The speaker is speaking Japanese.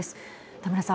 田村さん。